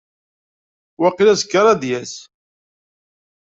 Waqil azekka ara d-yas.